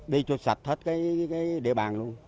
đi cho sạch hết địa bàn luôn